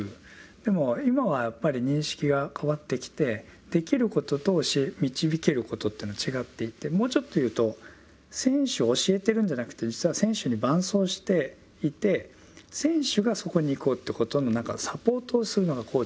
でも今はやっぱり認識が変わってきてできることと教え導けることというのは違っていてもうちょっと言うと選手を教えてるんじゃなくて実は選手に伴走していて選手がそこに行こうってことの何かサポートをするのがコーチだっていう。